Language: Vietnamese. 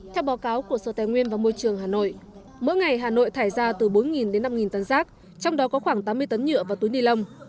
theo báo cáo của sở tài nguyên và môi trường hà nội mỗi ngày hà nội thải ra từ bốn đến năm tấn rác trong đó có khoảng tám mươi tấn nhựa và túi ni lông